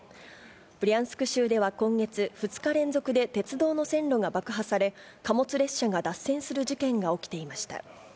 ブリャンスク州では今月、２日連続で鉄道の線路が爆破され、貨物列車が脱線する事件が起きていました。